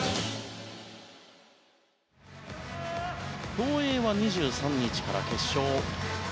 競泳は２３日から決勝。